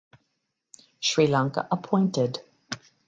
Sri Lanka appointed.